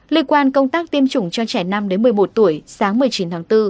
liên quan công tác tiêm chủng cho trẻ năm một mươi một tuổi sáng một mươi chín tháng bốn